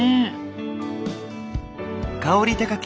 香り高き